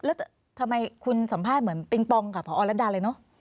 แล้วทำไมคุณสัมภาษณ์เหมือนปิงปองกับพอรัฐดาเลยเนอะ